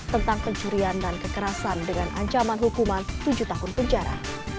tentang pencurian dan kekerasan dengan ancaman hukuman tujuh tahun penjara